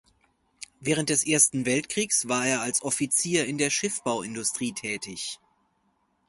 Während des Ersten Weltkrieges war er als Offizier in der Schiffbauindustrie tätig.